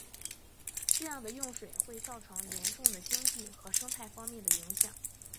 这样的用水会造成严重的经济和生态方面的影响。